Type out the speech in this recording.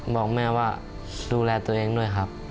บอกแม่ว่าดูแลตัวเองด้วยครับ